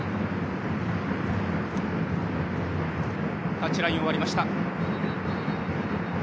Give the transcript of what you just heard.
タッチラインを割りました。